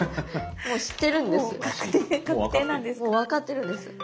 もう分かってるんです。